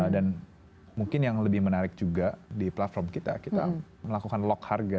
dan mungkin yang lebih menarik juga di platform kita kita melakukan lock harga